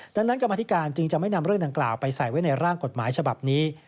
ดังนั้นกรรมธิการจึงจะไม่นำเรื่องดังกล่าวไปใส่ไว้ในร่างกฎหมายฉบับนี้